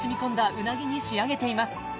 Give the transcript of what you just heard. うなぎに仕上げています